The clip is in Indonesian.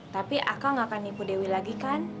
tapi saya tidak akan menipu dewi lagi bukan